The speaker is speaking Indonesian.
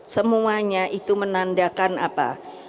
semuanya itu menandakan apa